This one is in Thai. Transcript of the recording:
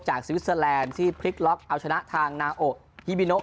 สวิสเตอร์แลนด์ที่พลิกล็อกเอาชนะทางนาโอฮิบิโน